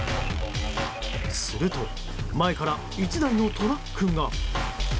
すると前から１台のトラックが。